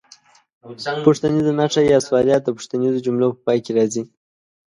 پوښتنیزه نښه یا سوالیه د پوښتنیزو جملو په پای کې راځي.